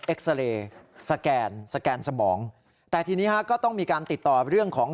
ซาเลสแกนสแกนสมองแต่ทีนี้ฮะก็ต้องมีการติดต่อเรื่องของ